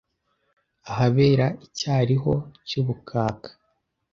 Ahabera icyariho cy’ ubukaka;